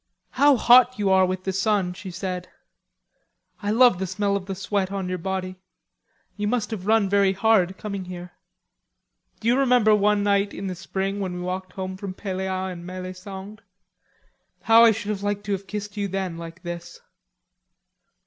"How hot you are with the sun!" she said. "I love the smell of the sweat of your body. You must have run very hard, coming here." "Do you remember one night in the spring we walked home from Pelleas and Melisande? How I should have liked to have kissed you then, like this!"